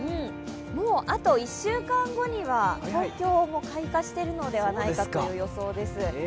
あと１週間後には東京も開花しているのではないかという予想です。